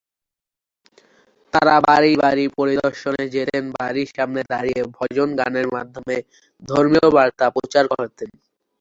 তারা বাড়ি বাড়ি পরিদর্শনে যেতেন বাড়ির সামনে দাঁড়িয়ে ভজন গানের মাধ্যমে ধর্মীয় বার্তা প্রচার করতেন।